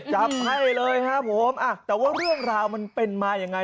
จับให้เลยครับผมแต่ว่าเรื่องราวมันเป็นมายังไง